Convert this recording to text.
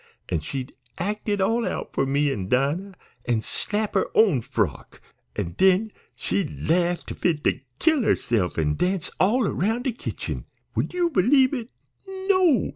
An' she'd act it all out for me an' Dinah, an' slap her own frock, an' den she'd laugh fit to kill herse'f an' dance all 'round de kitchen. Would yo' believe it? No!